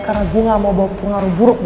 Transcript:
karena gue ga mau bawa pengaruh buruk ke lo